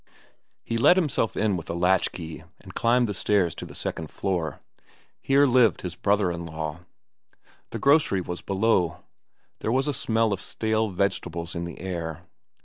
He let himself in with a latch key and climbed the stairs to the second floor. Here lived his brother in law. The grocery was below. There was a smell of stale vegetables in the air.